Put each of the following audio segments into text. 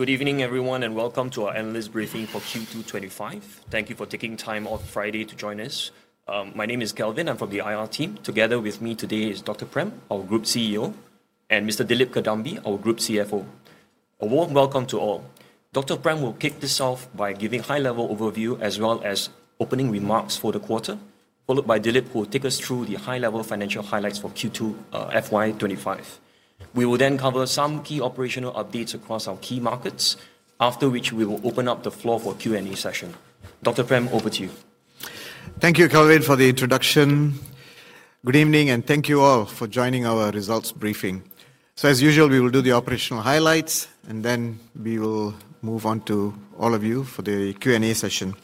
Good evening, everyone, and welcome to our analyst briefing for Q2 2025. Thank you for taking time off Friday to join us. My name is Kelvin. I'm from the IR team. Together with me today is Dr. Prem, our Group CEO, and Mr. Dilip Kadambi, our Group CFO. A warm welcome to all. Dr. Prem will kick this off by giving a high-level overview as well as opening remarks for the quarter, followed by Dilip who will take us through the high-level financial highlights for Q2 FY 2025. We will then cover some key operational updates across our key markets, after which we will open up the floor for a Q&A session. Dr. Prem, over to you. Thank you, Kelvin, for the introduction. Good evening, and thank you all for joining our results briefing. As usual, we will do the operational highlights, and then we will move on to all of you for the Q&A session.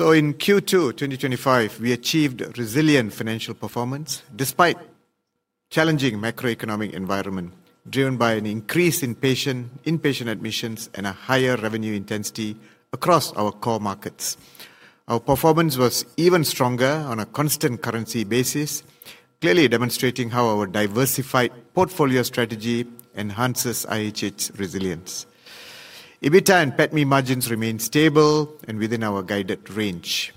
In Q2 2025, we achieved resilient financial performance despite a challenging macroeconomic environment, driven by an increase in inpatient admissions and a higher revenue intensity across our core markets. Our performance was even stronger on a constant-currency basis, clearly demonstrating how our diversified portfolio strategy enhances IHH resilience. EBITDA and PATMI margins remain stable and within our guided range.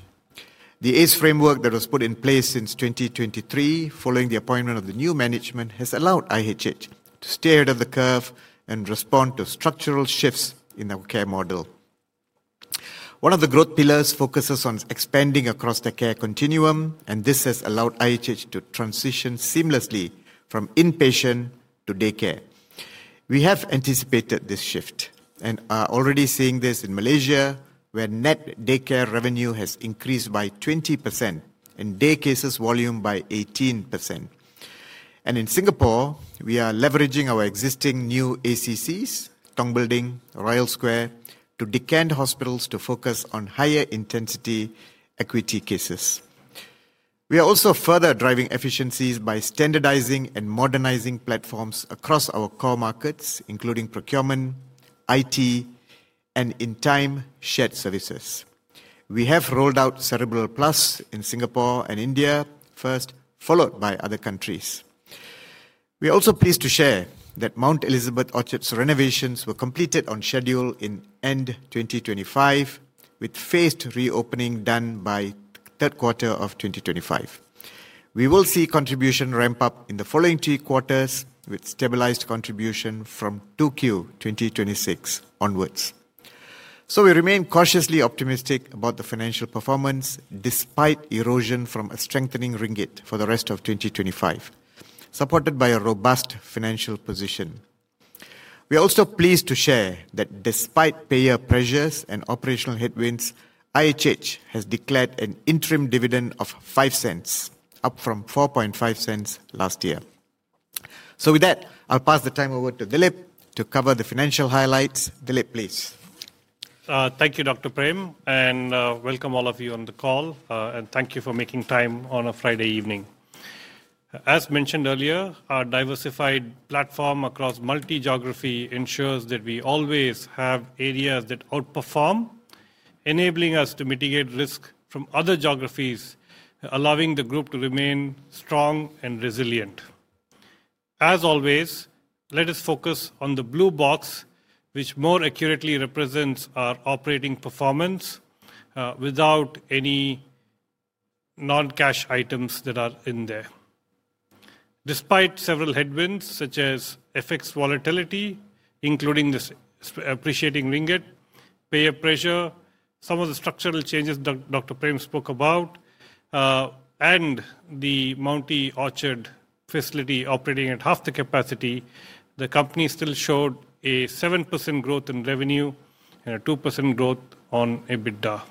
The ACE framework that was put in place since 2023, following the appointment of the new management, has allowed IHH to stay ahead of the curve and respond to structural shifts in our care model. One of the growth pillars focuses on expanding across the care continuum, and this has allowed IHH to transition seamlessly from inpatient to daycare. We have anticipated this shift and are already seeing this in Malaysia, where net daycare revenue has increased by 20% and day cases volume by 18%. In Singapore, we are leveraging our existing new ACCs, Tong Building, Royal Square, to decant hospitals to focus on higher-intensity equity cases. We are also further driving efficiencies by standardizing and modernizing platforms across our core markets, including procurement, IT, and in time, shared services. We have rolled out Cerebral Plus in Singapore and India first, followed by other countries. We are also pleased to share that Mount Elizabeth Orchard's renovations were completed on schedule in end 2025, with phased reopening done by the third quarter of 2025. We will see contribution ramp up in the following three quarters, with stabilized contribution from Q2 2026 onwards. We remain cautiously optimistic about the financial performance despite erosion from a strengthening Ringgit for the rest of 2025, supported by a robust financial position. We are also pleased to share that despite payer pressures and operational headwinds, IHH has declared an interim dividend of $0.05, up from $0.045 last year. With that, I'll pass the time over to Dilip to cover the financial highlights. Dilip, please. Thank you, Dr. Prem, and welcome all of you on the call, and thank you for making time on a Friday evening. As mentioned earlier, our diversified platform across multi-geography ensures that we always have areas that outperform, enabling us to mitigate risk from other geographies, allowing the Group to remain strong and resilient. As always, let us focus on the blue box, which more accurately represents our operating performance without any non-cash items that are in there. Despite several headwinds, such as FX volatility, including this appreciating Ringgit, payer pressure, some of the structural changes Dr. Prem spoke about, and the Mount E Orchard facility operating at half the capacity, the company still showed a 7% growth in revenue and a 2% growth on EBITDA.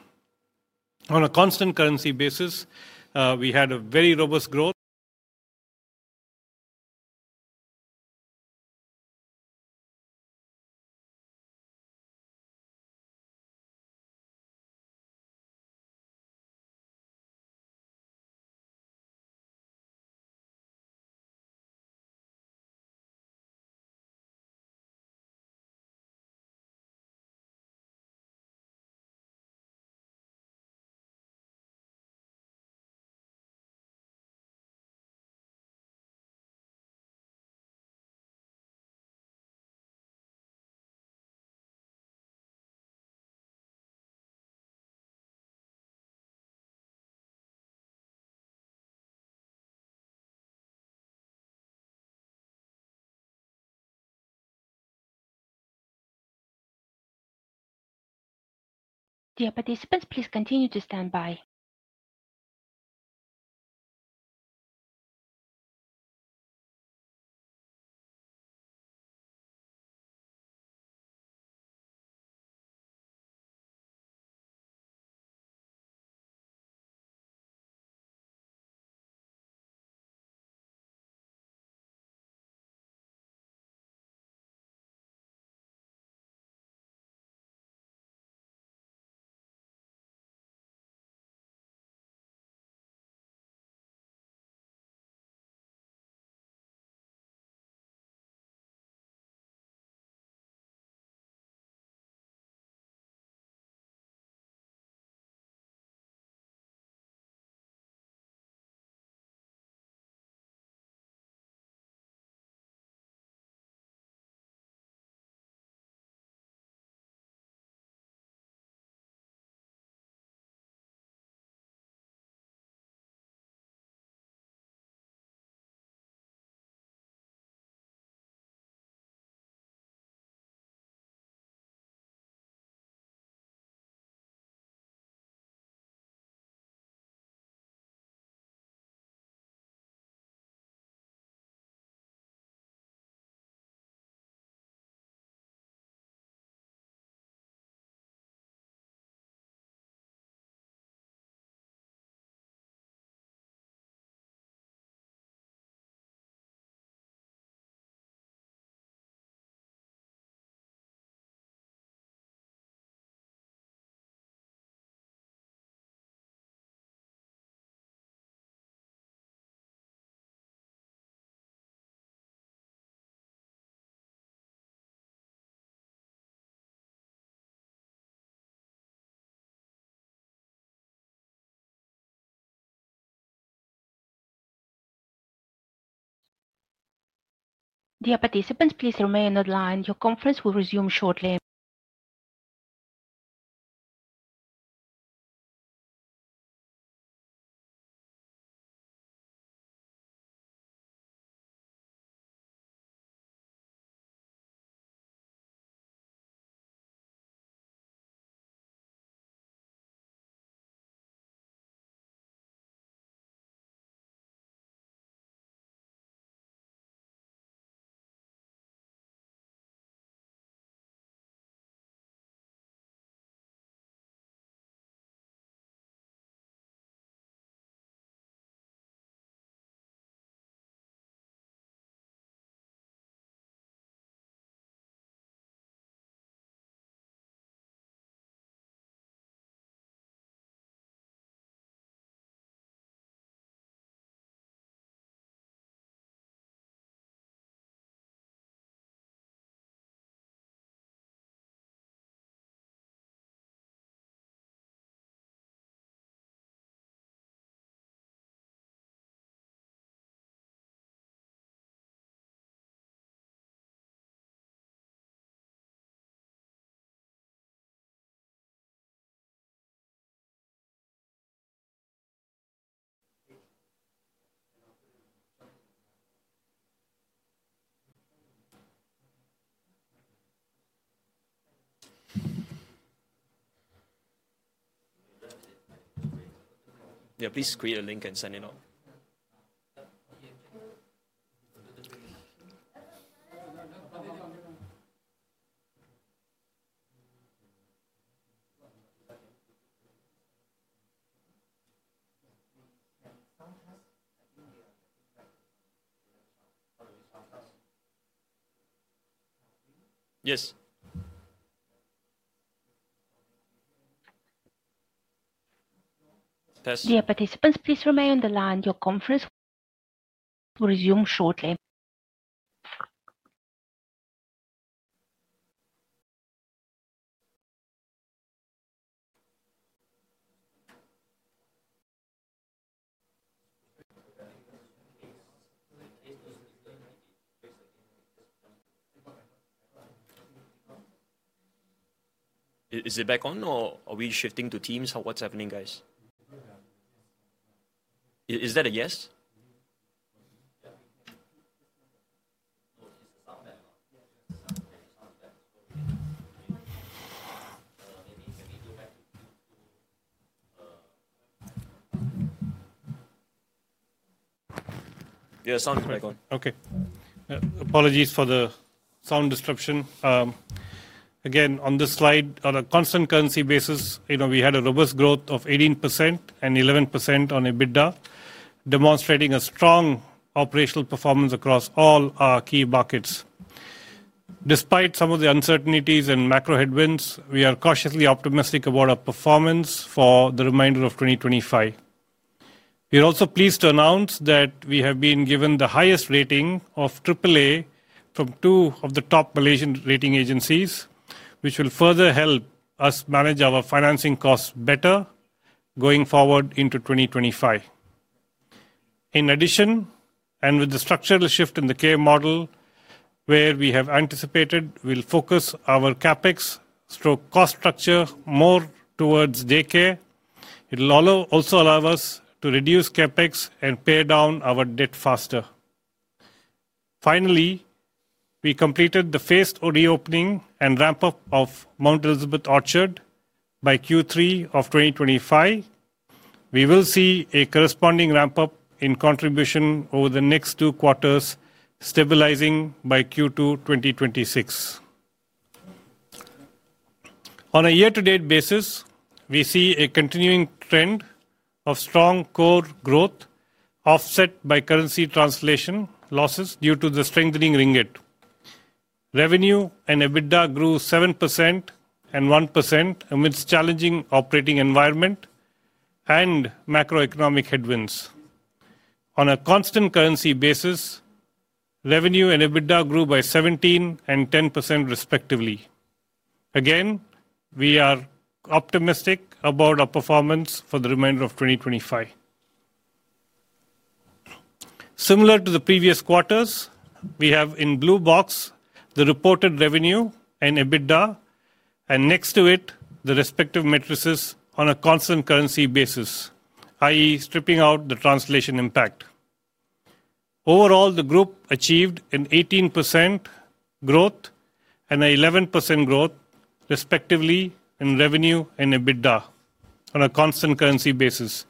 On a constant currency basis, we had a very robust growth. Dear participants, please continue to stand by. Dear participants, please remain online. Your conference will resume shortly. Yeah, please screen the link and send it. Yes. Dear participants, please remain on the line. Your conference will resume shortly. Is it back on, or are we shifting to Teams? What's happening, guys? Is that a yes? Yeah, sounds like on. Okay. Apologies for the sound disruption. Again, on this slide, on a constant currency basis, you know we had a robust growth of 18% and 11% on EBITDA, demonstrating a strong operational performance across all our key markets. Despite some of the uncertainties and macroeconomic headwinds, we are cautiously optimistic about our performance for the remainder of 2025. We are also pleased to announce that we have been given the highest rating of AAA from two of the top Malaysian rating agencies, which will further help us manage our financing costs better going forward into 2025. In addition, and with the structural shift in the care model, where we have anticipated we'll focus our CapEx/cost structure more towards daycare, it will also allow us to reduce CapEx and pare down our debt faster. Finally, we completed the phased reopening and ramp-up of Mount Elizabeth Orchard by Q3 of 2025. We will see a corresponding ramp-up in contribution over the next two quarters, stabilizing by Q2 2026. On a year-to-date basis, we see a continuing trend of strong core growth, offset by currency translation losses due to the strengthening Ringgit. Revenue and EBITDA grew 7% and 1% amidst a challenging operating environment and macroeconomic headwinds. On a constant currency basis, revenue and EBITDA grew by 17% and 10% respectively. Again, we are optimistic about our performance for the remainder of 2025. Similar to the previous quarters, we have in blue box the reported revenue and EBITDA, and next to it, the respective matrices on a constant currency basis, i.e., stripping out the translation impact. Overall, the Group achieved an 18% growth and an 11% growth, respectively, in revenue and EBITDA on a constant currency basis,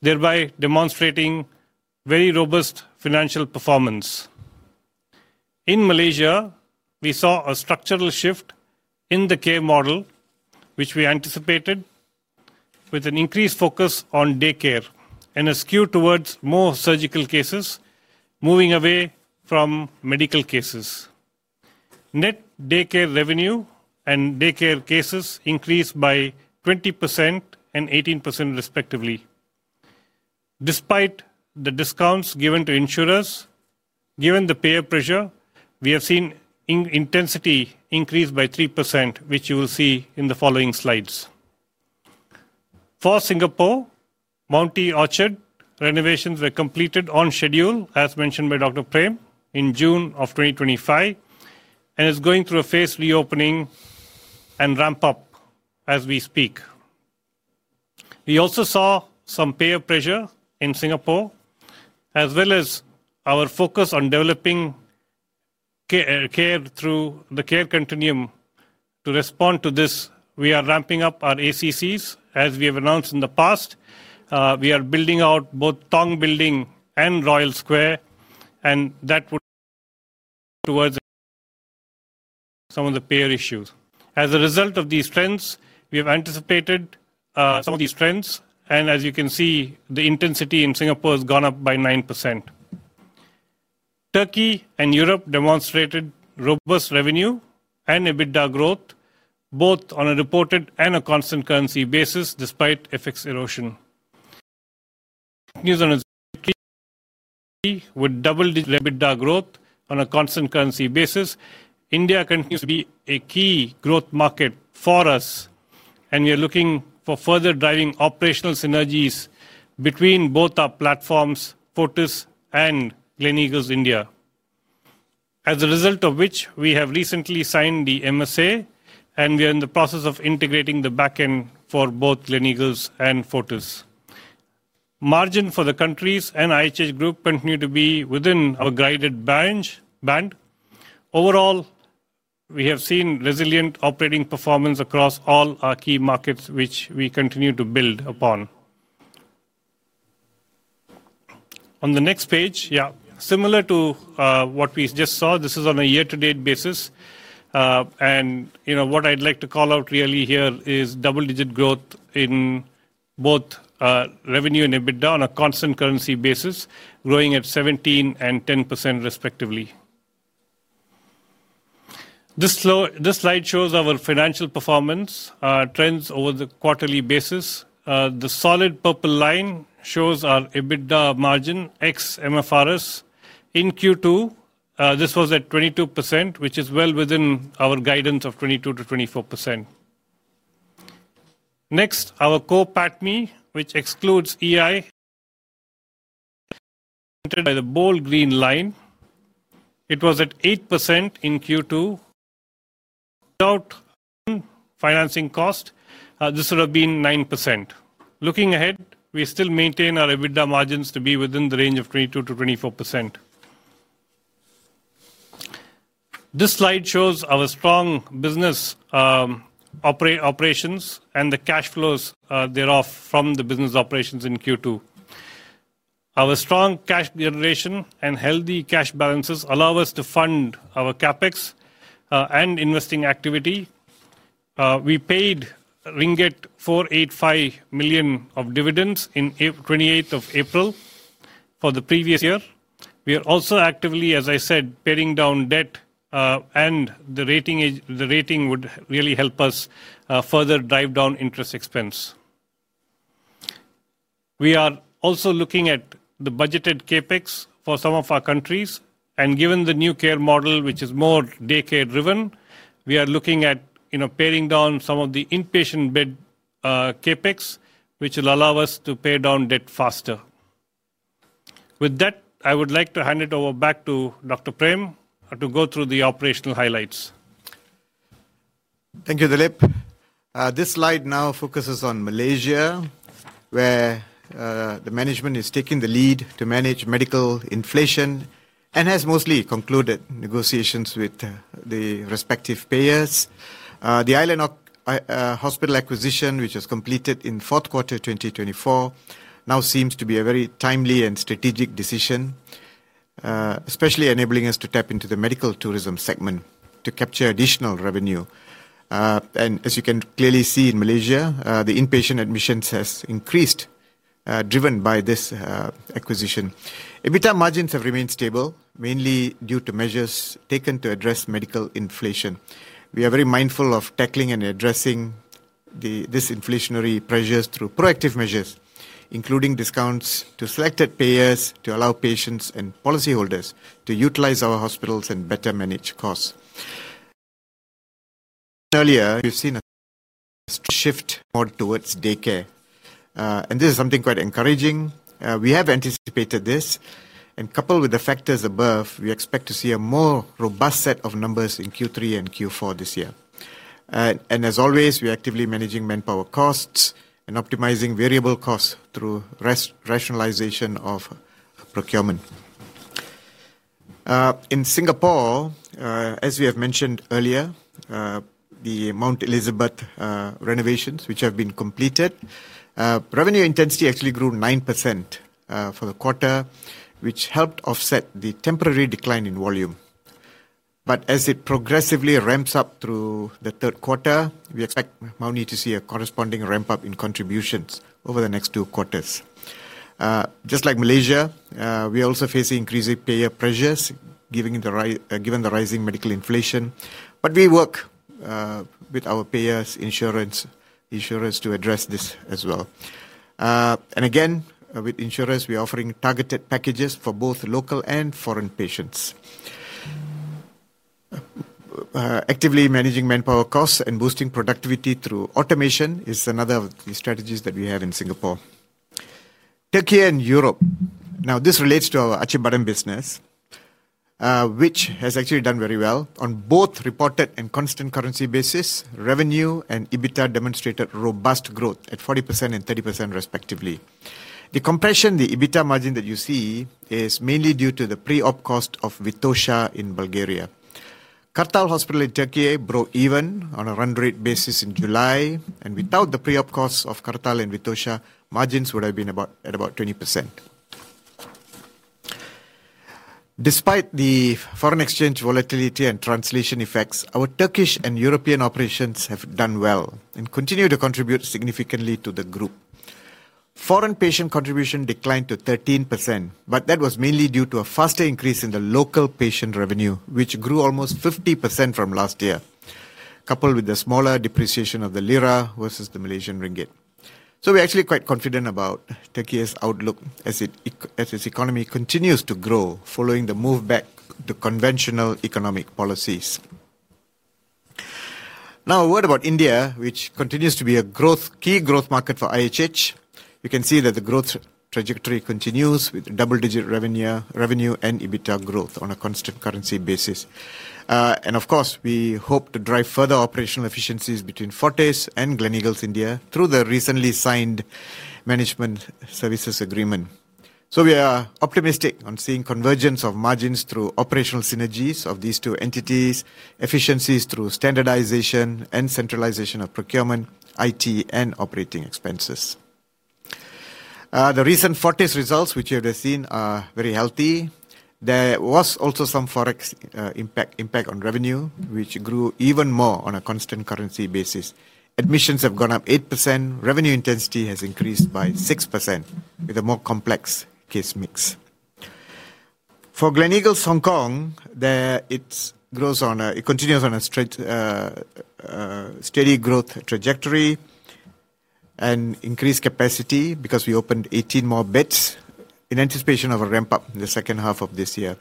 thereby demonstrating very robust financial performance. In Malaysia, we saw a structural shift in the care model, which we anticipated, with an increased focus on daycare and a skew towards more surgical cases, moving away from medical cases. Net daycare revenue and daycare cases increased by 20% and 18% respectively. Despite the discounts given to insurers, given the payer pressure, we have seen intensity increase by 3%, which you will see in the following slides. For Singapore, Mount E Orchard renovations were completed on schedule, as mentioned by Dr. Prem, in June of 2025, and is going through a phased reopening and ramp-up as we speak. We also saw some payer pressure in Singapore, as well as our focus on developing care through the care continuum. To respond to this, we are ramping up our ACCs, as we have announced in the past. We are building out both Tong Building and Royal Square, and that would address some of the payer issues. As a result of these trends, we have anticipated some of these trends, and as you can see, the intensity in Singapore has gone up by 9%. Turkey and Europe demonstrated robust revenue and EBITDA growth, both on a reported and a constant currency basis, despite FX erosion. With double the EBITDA growth on a constant currency basis, India continues to be a key growth market for us, and we are looking for further driving operational synergies between both our platforms, Fortis and Gleneagles India. As a result of which, we have recently signed the MSA, and we are in the process of integrating the back end for both Gleneagles and Fortis. Margin for the countries and IHH Group continue to be within our guided band. Overall, we have seen resilient operating performance across all our key markets, which we continue to build upon. On the next page, similar to what we just saw, this is on a year-to-date basis. What I'd like to call out really here is double-digit growth in both revenue and EBITDA on a constant currency basis, growing at 17% and 10% respectively. This slide shows our financial performance trends over the quarterly basis. The solid purple line shows our EBITDA margin, ex-MFRS, in Q2. This was at 22%, which is well within our guidance of 22%-24%. Next, our core PATMI, which excludes EI, noted by the bold green line, it was at 8% in Q2. Without financing cost, this would have been 9%. Looking ahead, we still maintain our EBITDA margins to be within the range of 22%-24%. This slide shows our strong business operations and the cash flows thereof from the business operations in Q2. Our strong cash generation and healthy cash balances allow us to fund our CapEx and investing activity. We paid RM485 million of dividends on the 28th of April for the previous year. We are also actively, as I said, paring down debt, and the rating would really help us further drive down interest expense. We are also looking at the budgeted CapEx for some of our countries, and given the new care model, which is more daycare-driven, we are looking at paring down some of the inpatient bed CapEx, which will allow us to pare down debt faster. With that, I would like to hand it over back to Dr. Prem to go through the operational highlights. Thank you, Dilip. This slide now focuses on Malaysia, where the management is taking the lead to manage medical inflation and has mostly concluded negotiations with the respective payers. The Island Hospital acquisition, which was completed in fourth quarter 2024, now seems to be a very timely and strategic decision, especially enabling us to tap into the medical tourism segment to capture additional revenue. As you can clearly see in Malaysia, the inpatient admissions have increased, driven by this acquisition. EBITDA margins have remained stable, mainly due to measures taken to address medical inflation. We are very mindful of tackling and addressing these inflationary pressures through proactive measures, including discounts to selected payers to allow patients and policyholders to utilize our hospitals and better manage costs. Earlier, we've seen a shift more towards daycare, and this is something quite encouraging. We have anticipated this, and coupled with the factors above, we expect to see a more robust set of numbers in Q3 and Q4 this year. As always, we are actively managing manpower costs and optimizing variable costs through rationalization of procurement. In Singapore, as we have mentioned earlier, the Mount Elizabeth renovations, which have been completed, revenue intensity actually grew 9% for the quarter, which helped offset the temporary decline in volume. As it progressively ramps up through the third quarter, we expect Mount E to see a corresponding ramp-up in contributions over the next two quarters. Just like Malaysia, we are also facing increasing payer pressures, given the rising medical inflation. We work with our payers' insurers to address this as well. With insurers, we are offering targeted packages for both local and foreign patients. Actively managing manpower costs and boosting productivity through automation is another of the strategies that we have in Singapore. Turkey and Europe, now this relates to our Acibadem business, which has actually done very well. On both reported and constant currency basis, revenue and EBITDA demonstrated robust growth at 40% and 30% respectively. The compression in the EBITDA margin that you see is mainly due to the pre-op cost of Vitosha in Bulgaria. Kartal Hospital in Turkey broke even on a run-rate basis in July, and without the pre-op costs of Kartal and Vitosha, margins would have been at about 20%. Despite the foreign exchange volatility and translation effects, our Turkish and European operations have done well and continue to contribute significantly to the group. Foreign patient contribution declined to 13%, but that was mainly due to a faster increase in the local patient revenue, which grew almost 50% from last year, coupled with the smaller depreciation of the lira versus the Malaysian ringgit. We are actually quite confident about Turkey's outlook as its economy continues to grow following the move back to conventional economic policies. Now, a word about India, which continues to be a key growth market for IHH. We can see that the growth trajectory continues with double-digit revenue and EBITDA growth on a constant currency basis. We hope to drive further operational efficiencies between Fortis and Gleneagles India through the recently signed management services agreement. We are optimistic on seeing convergence of margins through operational synergies of these two entities, efficiencies through standardization and centralization of procurement, IT, and operating expenses. The recent Fortis results, which you have seen, are very healthy. There was also some forex impact on revenue, which grew even more on a constant currency basis. Admissions have gone up 8%, revenue intensity has increased by 6% with a more complex case mix. For Gleneagles Hong Kong, it continues on a steady growth trajectory and increased capacity because we opened 18 more beds in anticipation of a ramp-up in the second half of this year.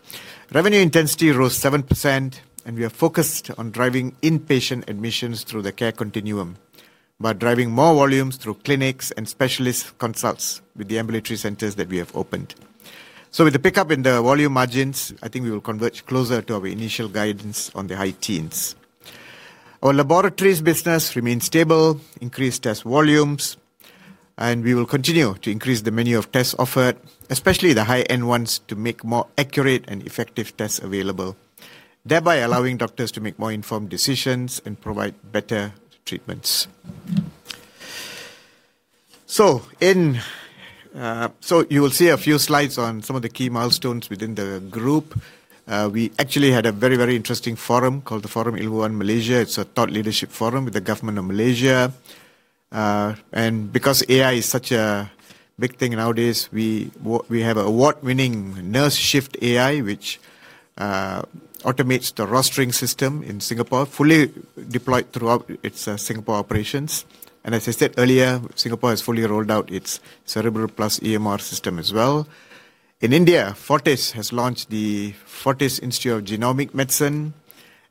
Revenue intensity rose 7%, and we are focused on driving inpatient admissions through the care continuum by driving more volumes through clinics and specialist consults with the ambulatory centers that we have opened. With the pickup in the volume margins, I think we will converge closer to our initial guidance on the high teens. Our laboratories business remains stable, increased test volumes, and we will continue to increase the menu of tests offered, especially the high-end ones, to make more accurate and effective tests available, thereby allowing doctors to make more informed decisions and provide better treatments. You will see a few slides on some of the key milestones within the Group. We actually had a very, very interesting forum called the Forum Ilmuwan Malaysia. It's a thought leadership forum with the government of Malaysia. Because AI is such a big thing nowadays, we have an award-winning Nurse Shift AI, which automates the rostering system in Singapore, fully deployed throughout its Singapore operations. As I said earlier, Singapore has fully rolled out its Cerebral Plus EMR system as well. In India, Fortis has launched the Fortis Institute of Genomic Medicine,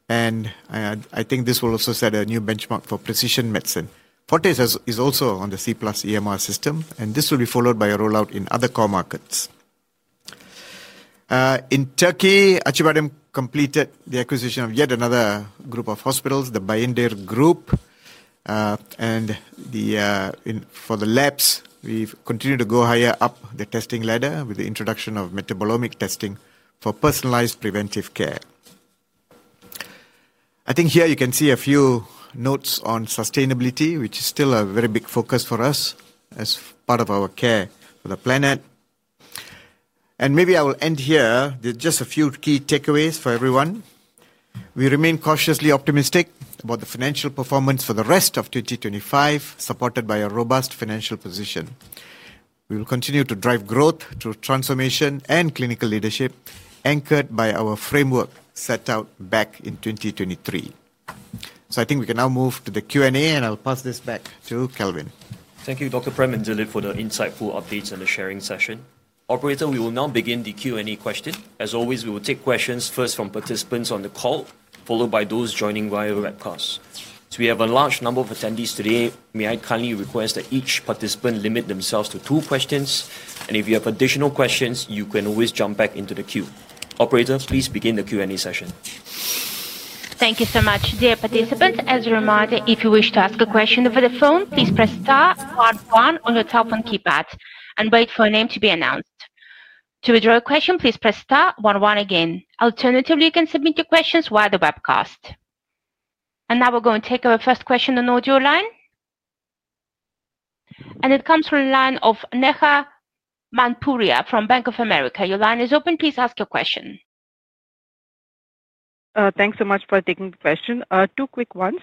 and I think this will also set a new benchmark for precision medicine. Fortis is also on the C+ EMR system, and this will be followed by a rollout in other core markets. In Turkey, Acibadem completed the acquisition of yet another group of hospitals, the Bayındır Group. For the labs, we continue to go higher up the testing ladder with the introduction of metabolomic testing for personalized preventive care. I think here you can see a few notes on sustainability, which is still a very big focus for us as part of our care for the planet. Maybe I will end here. There are just a few key takeaways for everyone. We remain cautiously optimistic about the financial performance for the rest of 2025, supported by a robust financial position. We will continue to drive growth through transformation and clinical leadership, anchored by our framework set out back in 2023. I think we can now move to the Q&A, and I'll pass this back to Kelvin. Thank you, Dr. Prem and Dilip, for the insightful updates and the sharing session. Operator, we will now begin the Q&A. As always, we will take questions first from participants on the call, followed by those joining via the webcast. We have a large number of attendees today. May I kindly request that each participant limit themselves to two questions, and if you have additional questions, you can always jump back into the queue. Operator, please begin the Q&A session. Thank you so much. Dear participants, as a reminder, if you wish to ask a question over the phone, please press star one on your telephone keypad and wait for a name to be announced. To withdraw a question, please press star one again. Alternatively, you can submit your questions via the webcast. We are going to take our first question on the audio line. It comes from the line of Neha Manpuria from Bank of America. Your line is open. Please ask your question. Thanks so much for taking the question. Two quick ones.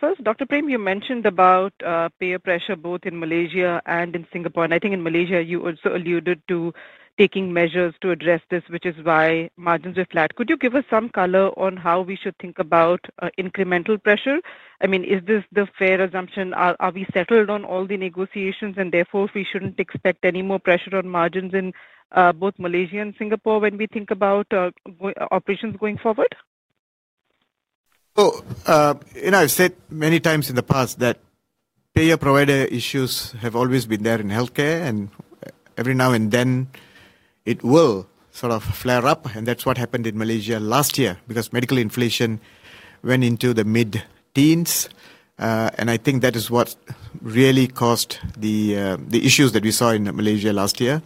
First, Dr. Prem, you mentioned about payer pressure both in Malaysia and in Singapore, and I think in Malaysia you also alluded to taking measures to address this, which is why margins are flat. Could you give us some color on how we should think about incremental pressure? I mean, is this the fair assumption? Are we settled on all the negotiations and therefore we shouldn't expect any more pressure on margins in both Malaysia and Singapore when we think about operations going forward? I've said many times in the past that payer-provider issues have always been there in healthcare, and every now and then it will sort of flare up, and that's what happened in Malaysia last year because medical inflation went into the mid-teens, and I think that is what really caused the issues that we saw in Malaysia last year.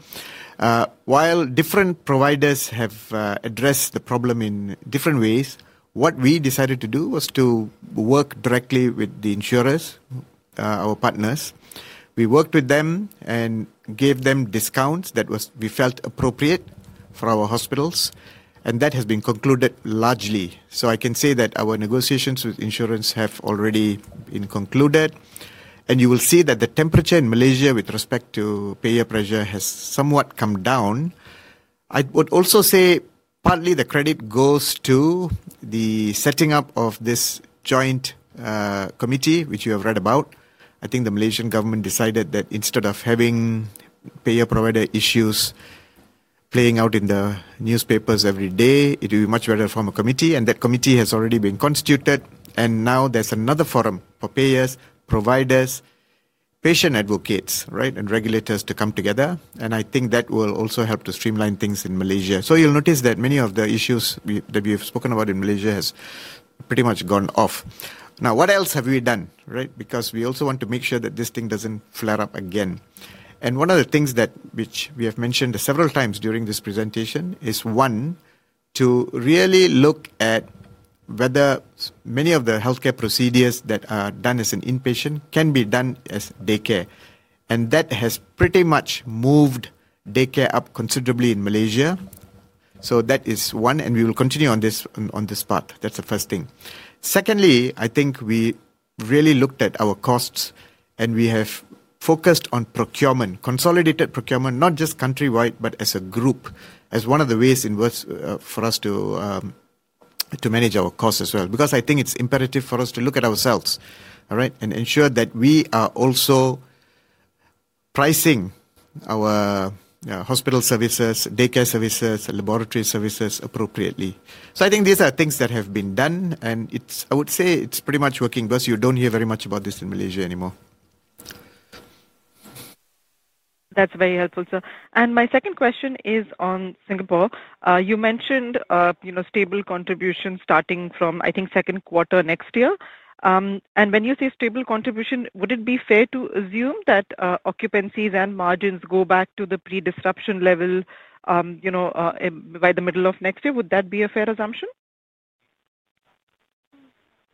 While different providers have addressed the problem in different ways, what we decided to do was to work directly with the insurers, our partners. We worked with them and gave them discounts that we felt appropriate for our hospitals, and that has been concluded largely. I can say that our negotiations with insurers have already been concluded, and you will see that the temperature in Malaysia with respect to payer pressure has somewhat come down. I would also say partly the credit goes to the setting up of this joint committee, which you have read about. I think the Malaysian government decided that instead of having payer-provider issues playing out in the newspapers every day, it would be much better to form a committee, and that committee has already been constituted, and now there's another forum for payers, providers, patient advocates, and regulators to come together, and I think that will also help to streamline things in Malaysia. You'll notice that many of the issues that we have spoken about in Malaysia have pretty much gone off. What else have we done? We also want to make sure that this thing doesn't flare up again. One of the things that we have mentioned several times during this presentation is, one, to really look at whether many of the healthcare procedures that are done as an inpatient can be done as daycare, and that has pretty much moved daycare up considerably in Malaysia. That is one, and we will continue on this path. That's the first thing. Secondly, I think we really looked at our costs, and we have focused on procurement, consolidated procurement, not just countrywide, but as a group, as one of the ways for us to manage our costs as well, because I think it's imperative for us to look at ourselves and ensure that we are also pricing our hospital services, daycare services, laboratory services appropriately. I think these are things that have been done, and I would say it's pretty much working because you don't hear very much about this in Malaysia anymore. That's very helpful, sir. My second question is on Singapore. You mentioned stable contributions starting from, I think, second quarter next year. When you say stable contribution, would it be fair to assume that occupancies and margins go back to the pre-disruption level by the middle of next year? Would that be a fair assumption?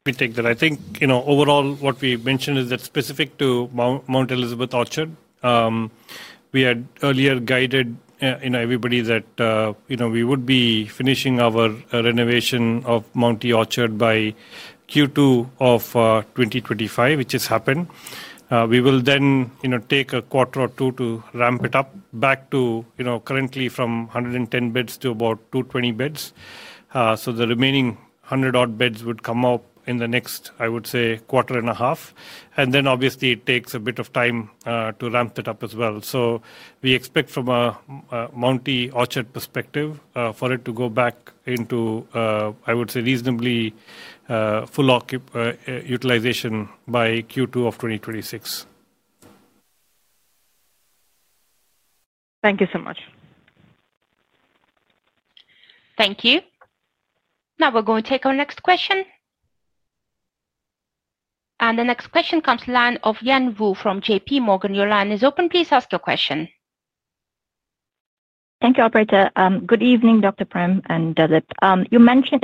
Let me take that. I think, you know, overall, what we mentioned is that specific to Mount Elizabeth Orchard, we had earlier guided everybody that, you know, we would be finishing our renovation of Mount E Orchard by Q2 of 2025, which has happened. We will then take a quarter or two to ramp it up back to, you know, currently from 110 beds to about 220 beds. The remaining 100-odd beds would come up in the next, I would say, quarter and a half. It takes a bit of time to ramp that up as well. We expect from a Mount E Orchard perspective for it to go back into, I would say, reasonably full utilization by Q2 of 2026. Thank you so much. Thank you. Now we're going to take our next question. The next question comes from the line of Yen Wu from JP Morgan. Your line is open. Please ask your question. Thank you, Operator. Good evening, Dr. Prem and Dilip.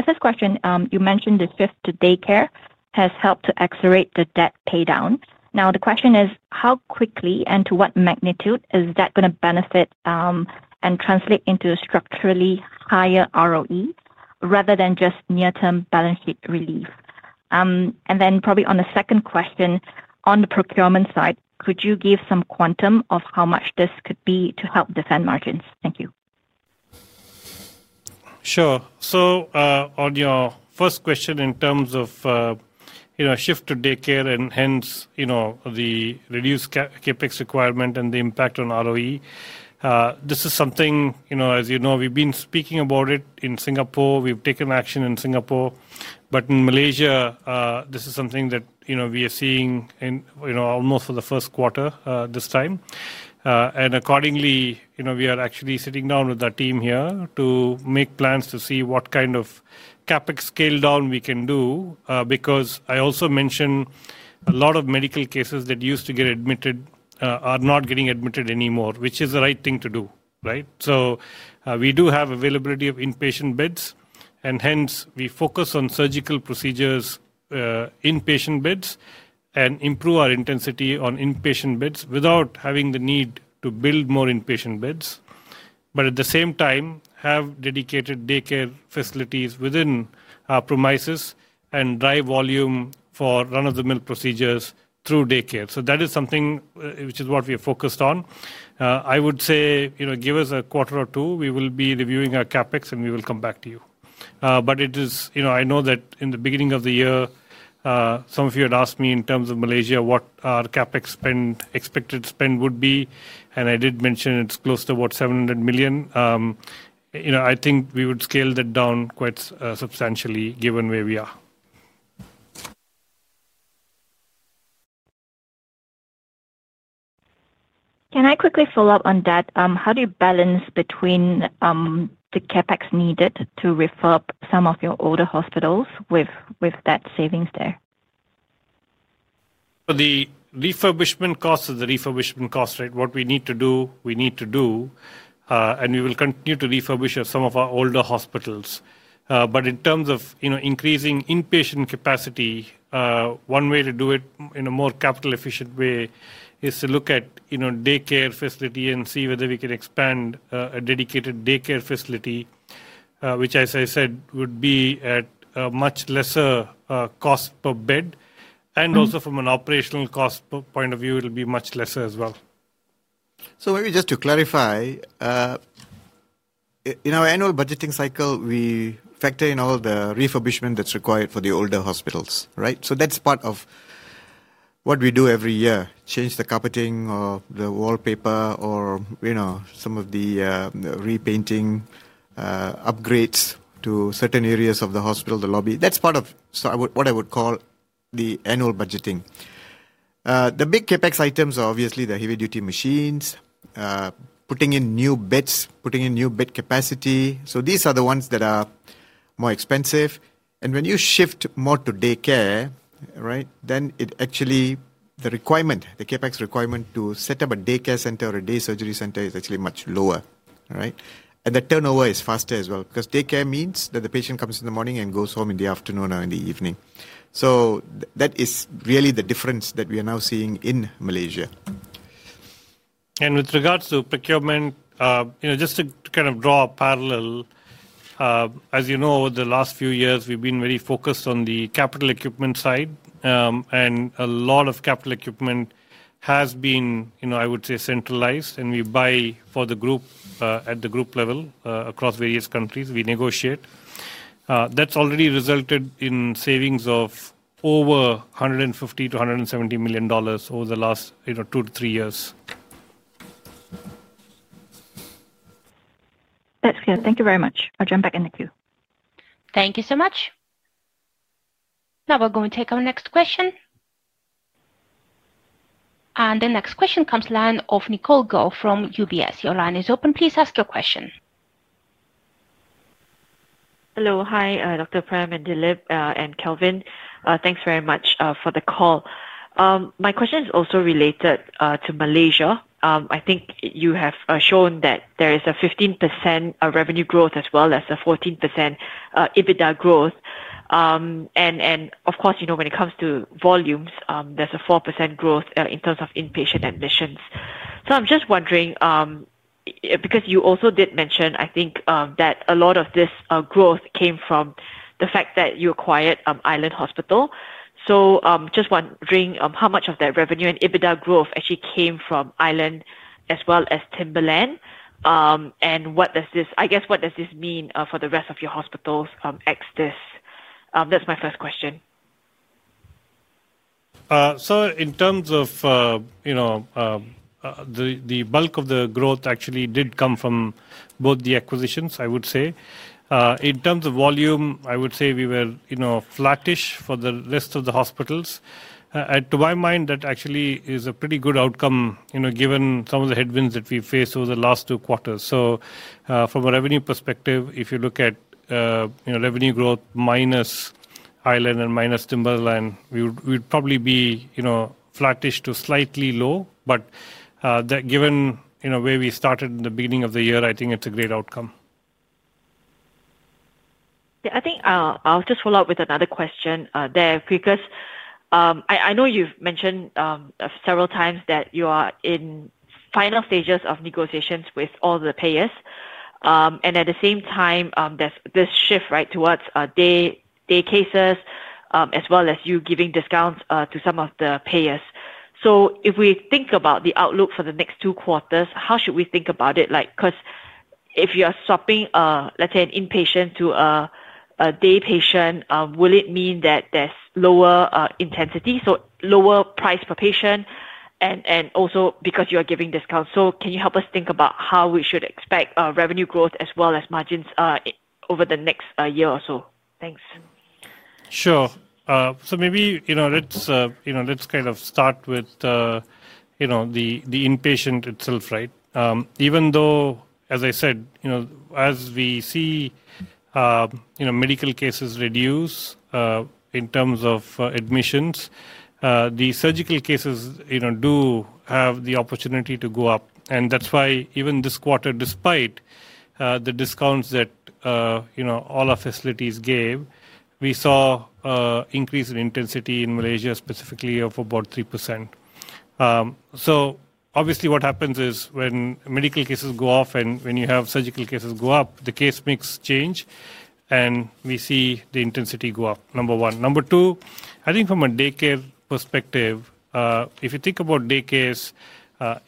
This question, you mentioned the shift to daycare has helped to accelerate the debt paydown. Now, the question is, how quickly and to what magnitude is that going to benefit and translate into a structurally higher ROE rather than just near-term balance sheet relief? On the second question, on the procurement side, could you give some quantum of how much this could be to help defend margins? Thank you. Sure. On your first question in terms of a shift to daycare and hence the reduced CapEx requirement and the impact on ROE, this is something, as you know, we've been speaking about in Singapore. We've taken action in Singapore. In Malaysia, this is something that we are seeing almost for the first quarter this time. Accordingly, we are actually sitting down with our team here to make plans to see what kind of CapEx scale down we can do because I also mentioned a lot of medical cases that used to get admitted are not getting admitted anymore, which is the right thing to do, right? We do have availability of inpatient beds, and hence we focus on surgical procedures inpatient beds and improve our intensity on inpatient beds without having the need to build more inpatient beds. At the same time, we have dedicated daycare facilities within our premises and drive volume for run-of-the-mill procedures through daycare. That is something which is what we are focused on. I would say give us a quarter or two, we will be reviewing our CapEx and we will come back to you. I know that in the beginning of the year, some of you had asked me in terms of Malaysia what our CapEx spend, expected spend would be, and I did mention it's close to about 700 million. I think we would scale that down quite substantially given where we are. Can I quickly follow up on that? How do you balance between the CapEx needed to refurb some of your older hospitals with that savings there? The refurbishment cost is the refurbishment cost, right? What we need to do, we need to do, and we will continue to refurbish some of our older hospitals. In terms of increasing inpatient capacity, one way to do it in a more capital-efficient way is to look at daycare facility and see whether we can expand a dedicated daycare facility, which, as I said, would be at a much lesser cost per bed, and also from an operational cost point of view, it'll be much lesser as well. Maybe just to clarify, in our annual budgeting cycle, we factor in all the refurbishment that's required for the older hospitals, right? That's part of what we do every year, change the carpeting or the wallpaper or some of the repainting upgrades to certain areas of the hospital, the lobby. That's part of what I would call the annual budgeting. The big CapEx items are obviously the heavy-duty machines, putting in new beds, putting in new bed capacity. These are the ones that are more expensive. When you shift more to daycare, the CapEx requirement to set up a daycare center or a day surgery center is actually much lower, right? The turnover is faster as well because daycare means that the patient comes in the morning and goes home in the afternoon or in the evening. That is really the difference that we are now seeing in Malaysia. With regards to procurement, just to kind of draw a parallel, as you know, over the last few years, we've been very focused on the capital equipment side, and a lot of capital equipment has been, I would say, centralized, and we buy for the group at the group level across various countries. We negotiate. That's already resulted in savings of over $150 million-$170 million over the last two to three years. That's good. Thank you very much. I'll jump back in the queue. Thank you so much. Now we're going to take our next question. The next question comes from the line of Nicole Go from UBS. Your line is open. Please ask your question. Hello. Hi, Dr. Prem and Dilip and Kelvin. Thanks very much for the call. My question is also related to Malaysia. I think you have shown that there is a 15% revenue growth as well as a 14% EBITDA growth. Of course, you know, when it comes to volumes, there's a 4% growth in terms of inpatient admissions. I'm just wondering, because you also did mention, I think, that a lot of this growth came from the fact that you acquired Island Hospital. I'm just wondering how much of that revenue and EBITDA growth actually came from Island as well as Timberland. What does this, I guess, what does this mean for the rest of your hospitals ex this? That's my first question. In terms of the bulk of the growth, it actually did come from both the acquisitions, I would say. In terms of volume, I would say we were flattish for the rest of the hospitals. To my mind, that actually is a pretty good outcome, given some of the headwinds that we faced over the last two quarters. From a revenue perspective, if you look at revenue growth minus Island and minus Timberland, we'd probably be flattish to slightly low. That, given where we started in the beginning of the year, I think it's a great outcome. I think I'll just follow up with another question there, because I know you've mentioned several times that you are in final stages of negotiations with all the payers. At the same time, there's this shift, right, towards day cases, as well as you giving discounts to some of the payers. If we think about the outlook for the next two quarters, how should we think about it? If you are swapping, let's say, an inpatient to a day patient, will it mean that there's lower intensity, so lower price per patient, and also because you are giving discounts? Can you help us think about how we should expect revenue growth as well as margins over the next year or so? Thanks. Sure. Maybe, you know, let's kind of start with, you know, the inpatient itself, right? Even though, as I said, you know, as we see, you know, medical cases reduce in terms of admissions, the surgical cases, you know, do have the opportunity to go up. That's why even this quarter, despite the discounts that, you know, all our facilities gave, we saw an increase in intensity in Malaysia specifically of about 3%. Obviously, what happens is when medical cases go off and when you have surgical cases go up, the case mix changes, and we see the intensity go up, number one. Number two, I think from a daycare perspective, if you think about daycares,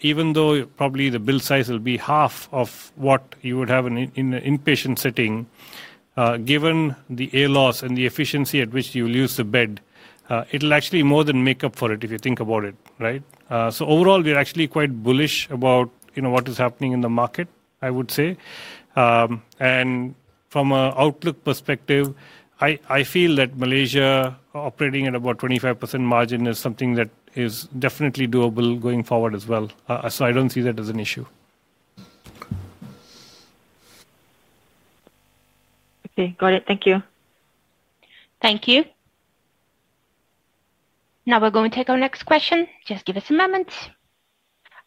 even though probably the bill size will be half of what you would have in an inpatient setting, given the air loss and the efficiency at which you lose the bed, it'll actually more than make up for it if you think about it, right? Overall, we're actually quite bullish about, you know, what is happening in the market, I would say. From an outlook perspective, I feel that Malaysia operating at about 25% margin is something that is definitely doable going forward as well. I don't see that as an issue. Okay, got it. Thank you. Thank you. Now we're going to take our next question. Just give us a moment.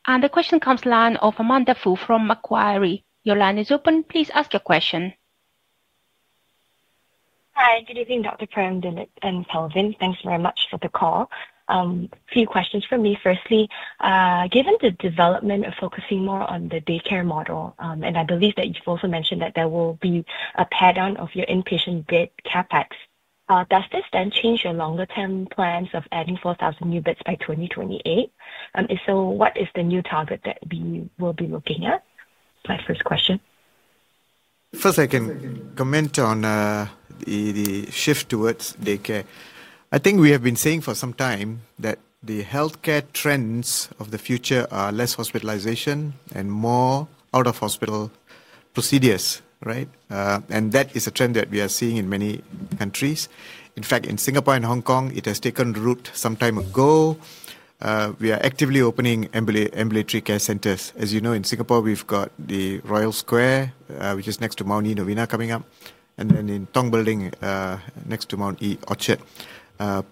The question comes from the line of Amanda Foo from Macquarie. Your line is open. Please ask your question. Hi, good evening, Dr. Prem, Dilip, and Kelvin. Thanks very much for the call. A few questions from me. Firstly, given the development of focusing more on the daycare model, and I believe that you've also mentioned that there will be a part of your inpatient bed CapEx, does this then change your longer-term plans of adding 4,000 new beds by 2028? If so, what is the new target that we will be looking at? My first question. First, I can comment on the shift towards daycare. I think we have been saying for some time that the healthcare trends of the future are less hospitalization and more out-of-hospital procedures, right? That is a trend that we are seeing in many countries. In fact, in Singapore and Hong Kong, it has taken root some time ago. We are actively opening ambulatory care centers. As you know, in Singapore, we've got the Royal Square, which is next to Mount E Novena coming up, and then in Tong Building, next to Mount E Orchard,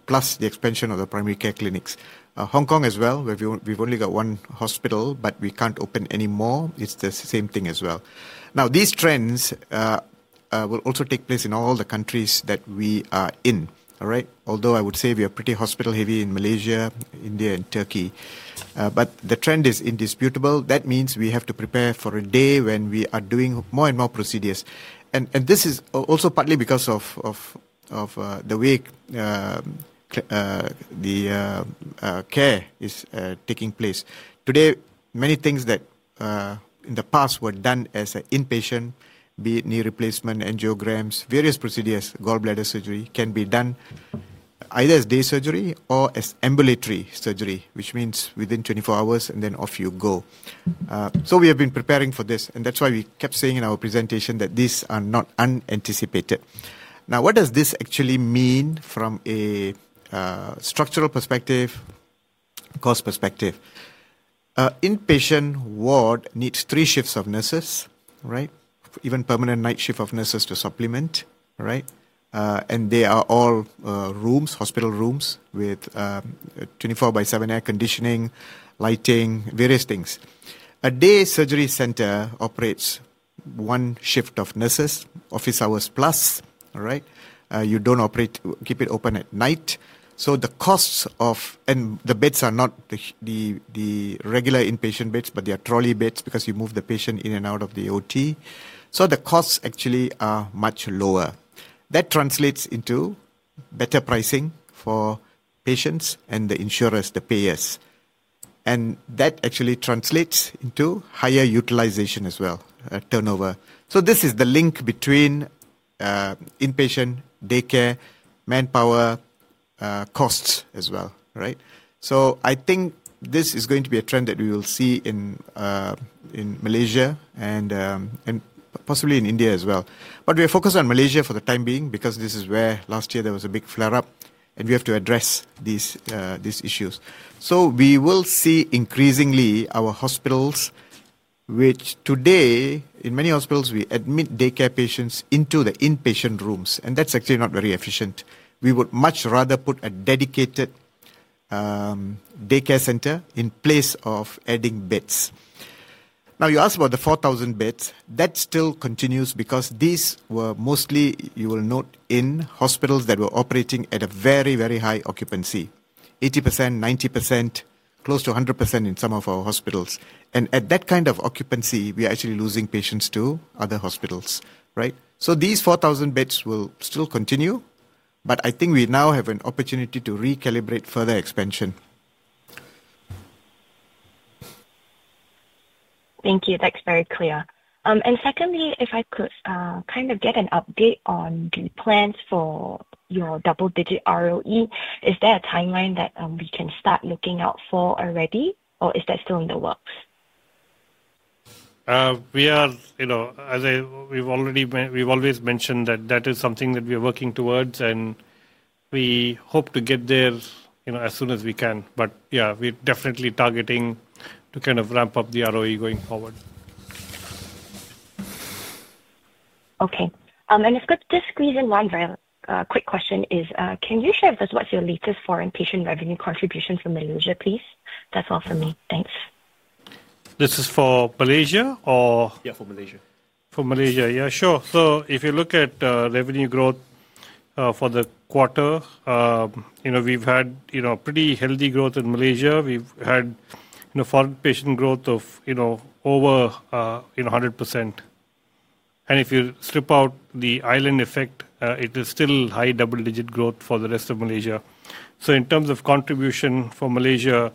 plus the expansion of the primary care clinics. Hong Kong as well, where we've only got one hospital, but we can't open any more, is the same thing as well. These trends will also take place in all the countries that we are in, right? Although I would say we are pretty hospital-heavy in Malaysia, India, and Turkey. The trend is indisputable. That means we have to prepare for a day when we are doing more and more procedures. This is also partly because of the way the care is taking place. Today, many things that in the past were done as an inpatient, be it knee replacement, angiograms, various procedures, gallbladder surgery, can be done either as day surgery or as ambulatory surgery, which means within 24 hours and then off you go. We have been preparing for this, and that's why we kept saying in our presentation that these are not unanticipated. What does this actually mean from a structural perspective, cost perspective? Inpatient ward needs three shifts of nurses, right? Even permanent night shift of nurses to supplement, right? They are all rooms, hospital rooms with 24x7 air conditioning, lighting, various things. A day surgery center operates one shift of nurses, office hours plus, right? You don't operate, keep it open at night. The costs of, and the beds are not the regular inpatient beds, but they are trolley beds because you move the patient in and out of the OT. The costs actually are much lower. That translates into better pricing for patients and the insurers, the payers. That actually translates into higher utilization as well, turnover. This is the link between inpatient, daycare, manpower, costs as well, right? I think this is going to be a trend that we will see in Malaysia and possibly in India as well. We are focused on Malaysia for the time being because this is where last year there was a big flare-up, and we have to address these issues. We will see increasingly our hospitals, which today, in many hospitals, we admit daycare patients into the inpatient rooms, and that's actually not very efficient. We would much rather put a dedicated daycare center in place of adding beds. You asked about the 4,000 beds. That still continues because these were mostly, you will note, in hospitals that were operating at a very, very high occupancy, 80%, 90%, close to 100% in some of our hospitals. At that kind of occupancy, we are actually losing patients to other hospitals, right? These 4,000 beds will still continue, but I think we now have an opportunity to recalibrate further expansion. Thank you. That's very clear. Secondly, if I could kind of get an update on the plans for your double-digit ROE, is there a timeline that we can start looking out for already, or is that still in the works? We are, as I've already mentioned, that is something that we are working towards, and we hope to get there as soon as we can. We're definitely targeting to kind of ramp up the ROE going forward. Okay. If I could just squeeze in one very quick question, can you share with us what's your latest foreign patient revenue contributions from Malaysia, please? That's all for me. Thanks. Is this for Malaysia or? Yeah, for Malaysia. For Malaysia, yeah, sure. If you look at revenue growth for the quarter, we've had a pretty healthy growth in Malaysia. We've had foreign patient growth of over 100%. If you strip out the Island effect, it is still high double-digit growth for the rest of Malaysia. In terms of contribution for Malaysia,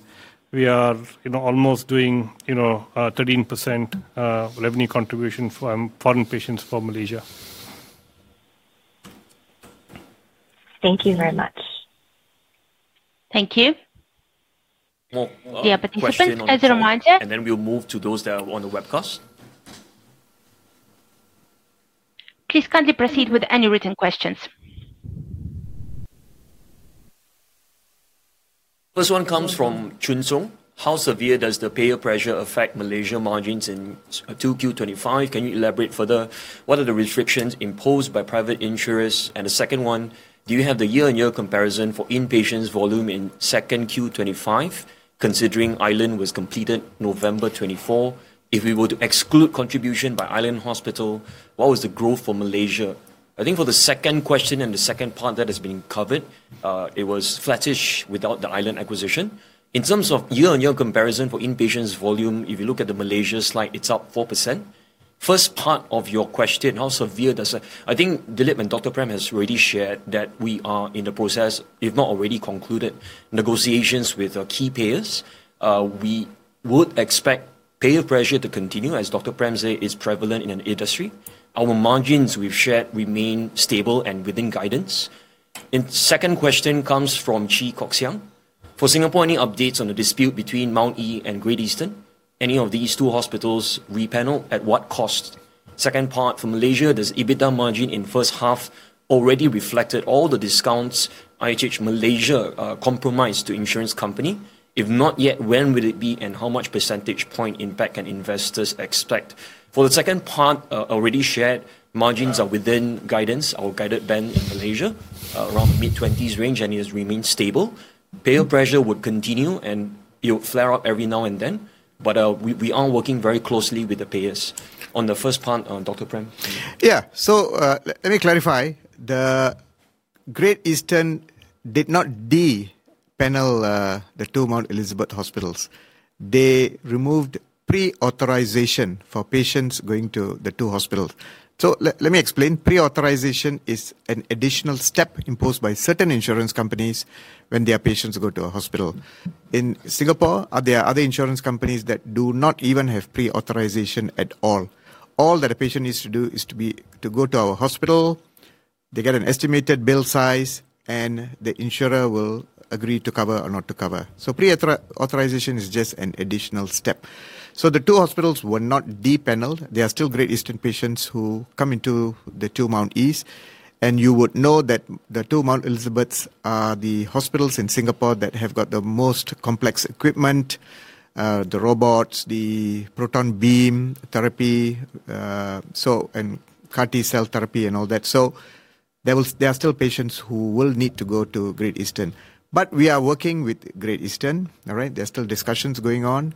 we are almost doing 13% revenue contribution for foreign patients for Malaysia. Thank you very much. Thank you. More questions? Yeah, participants, as a reminder. We will move to those that are on the webcast. Please kindly proceed with any written questions. First one comes from Chun Song. How severe does the payer pressure affect Malaysia margins in Q2 2025? Can you elaborate further? What are the restrictions imposed by private insurers? The second one, do you have the year-on-year comparison for inpatient admissions volume in Q2 2025, considering Island was completed November 2024? If we were to exclude contribution by Island Hospital, what was the growth for Malaysia? I think for the second question and the second part that has been covered, it was flattish without the Island Hospital acquisition. In terms of year-on-year comparison for inpatient admissions volume, if you look at the Malaysia slide, it's up 4%. First part of your question, how severe does it? I think Dilip and Dr. Premr have already shared that we are in the process, if not already concluded, negotiations with key payers. We would expect payer pressure to continue, as Dr. Prem said, it's prevalent in an industry. Our margins we've shared remain stable and within guidance. The second question comes from Chi-Kok Siang. For Singapore, any updates on the dispute between Mount E and Great Eastern? Any of these two hospitals repanel at what cost? Second part for Malaysia, does EBITDA margin in first half already reflect all the discounts IHH Malaysia compromised to insurance companies? If not yet, when will it be and how much % point impact can investors expect? For the second part, already shared, margins are within guidance. Our guided band in Malaysia around mid-20s range and it has remained stable. Payer pressure would continue and it would flare up every now and then, but we are working very closely with the payers. On the first part, Dr. Prem. Yeah, let me clarify. Great Eastern did not depanel the two Mount Elizabeth hospitals. They removed pre-authorization for patients going to the two hospitals. Let me explain. Pre-authorization is an additional step imposed by certain insurance companies when their patients go to a hospital. In Singapore, there are other insurance companies that do not even have pre-authorization at all. All that a patient needs to do is go to our hospital, they get an estimated bill size, and the insurer will agree to cover or not to cover. Pre-authorization is just an additional step. The two hospitals were not depaneled. There are still Great Eastern patients who come into the two Mount Es. You would know that the two Mount Elizabeths are the hospitals in Singapore that have the most complex equipment, the robots, the proton beam therapy, and CAR T-cell therapy and all that. There are still patients who will need to go to Great Eastern. We are working with Great Eastern. There are still discussions going on.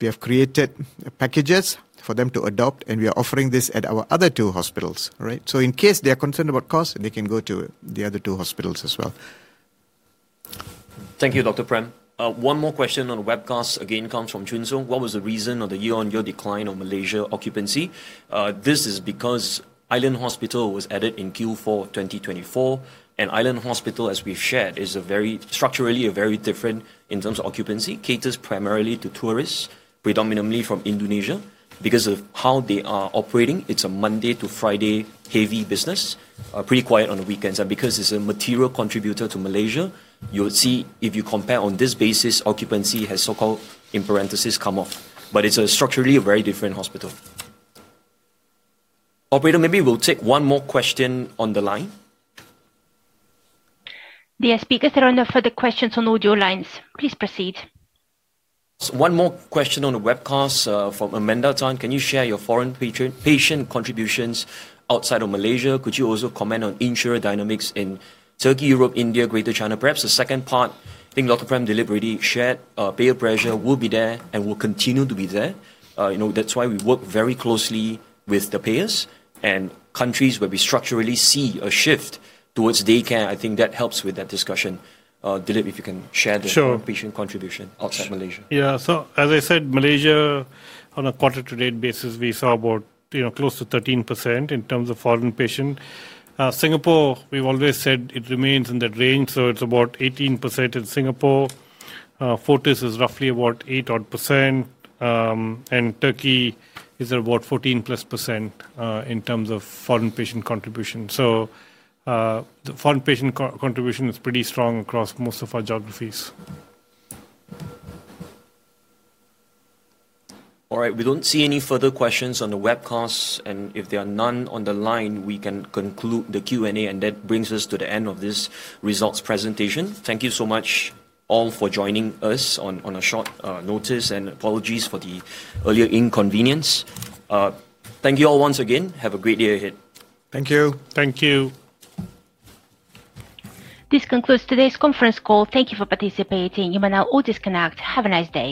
We have created packages for them to adopt, and we are offering this at our other two hospitals. In case they are concerned about cost, they can go to the other two hospitals as well. Thank you, Dr. Prem. One more question on the webcast. Again, it comes from Chun Song. What was the reason of the year-on-year decline of Malaysia occupancy? This is because Island Hospital was added in Q4 2024. Island Hospital, as we've shared, is structurally very different in terms of occupancy. It caters primarily to tourists, predominantly from Indonesia. Because of how they are operating, it's a Monday to Friday heavy business, pretty quiet on the weekends. Because it's a material contributor to Malaysia, you'll see if you compare on this basis, occupancy has, so-called in parentheses, come off. It's a structurally very different hospital. Operator, maybe we'll take one more question on the line. The speakers that are on the further questions on audio lines, please proceed. One more question on the webcast from Amanda Tan. Can you share your foreign patient contributions outside of Malaysia? Could you also comment on insurer dynamics in Turkey, Europe, India, Greater China? Perhaps the second part. I think Dr. Prem deliberately shared payer pressure will be there and will continue to be there. That's why we work very closely with the payers and countries where we structurally see a shift towards daycare. I think that helps with that discussion. Dilip, if you can share the patient contribution outside Malaysia. Yeah, as I said, Malaysia, on a quarter-to-date basis, we saw about, you know, close to 13% in terms of foreign patients. Singapore, we've always said it remains in that range, so it's about 18% in Singapore. Fortis is roughly about 8% odd, and Turkey is about 14% plus in terms of foreign patient contribution. The foreign patient contribution is pretty strong across most of our geographies. All right, we don't see any further questions on the webcast, and if there are none on the line, we can conclude the Q&A, and that brings us to the end of this results presentation. Thank you so much all for joining us on short notice, and apologies for the earlier inconvenience. Thank you all once again. Have a great day ahead. Thank you. Thank you. This concludes today's conference call. Thank you for participating. You may now all disconnect. Have a nice day.